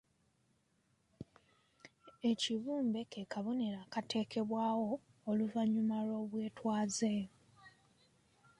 Ekibumbe ke kabonero akaateekebwawo oluvannyuma lw'obwetwaze.